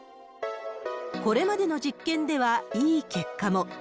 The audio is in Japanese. これまでの実験では、いい結果も。